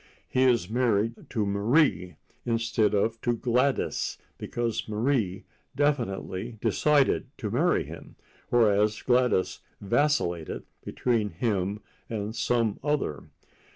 He is married to Marie instead of to Gladys because Marie definitely decided to marry him, whereas Gladys vacillated between him and some other.